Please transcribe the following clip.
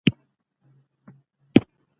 موږ به د کال په پیل کې تمرین وکړو.